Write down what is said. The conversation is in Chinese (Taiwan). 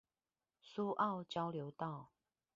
蘇澳交流道